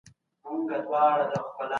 چي زه کونډه يم، مړوښه دي نه وي.